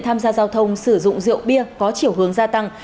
tham gia giao thông sử dụng rượu bia có chiều hướng gia tăng